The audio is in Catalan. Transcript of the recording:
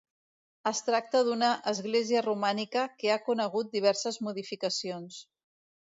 Es tracta d'una església romànica que ha conegut diverses modificacions.